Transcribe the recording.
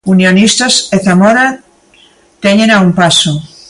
Unionistas e Zamora téñena a un paso.